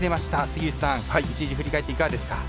杉内さん、１日振り返っていかがですか？